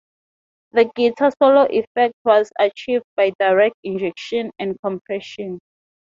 The guitar solo effect was achieved by direct injection and compression.